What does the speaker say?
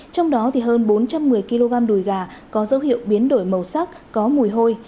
trong đó hơn bốn trăm một mươi kg đùi gà có dấu hiệu biến đổi màu sắc có mùi hôi